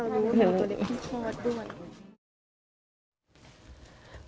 ขอบคุณครับ